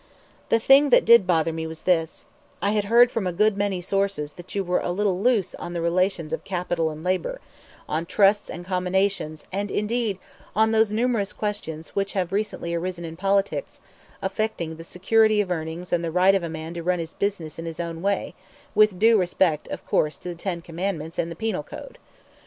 ... The thing that did bother me was this: I had heard from a good many sources that you were a little loose on the relations of capital and labor, on trusts and combinations, and, indeed, on those numerous questions which have recently arisen in politics affecting the security of earnings and the right of a man to run his own business in his own way, with due respect of course to the Ten Commandments and the Penal Code.